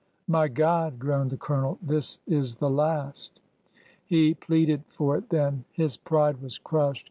My God !" groaned the Colonel. This is the last !" He pleaded for it then. His pride was crushed.